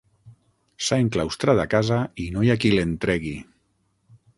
S'ha enclaustrat a casa i no hi ha qui l'en tregui.